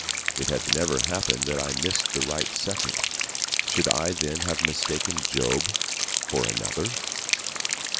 It hath never happened that I missed the right second. Should I, then, have mistaken Job for another?"